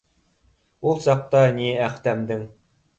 Ул саҡта ни Әхтәмдең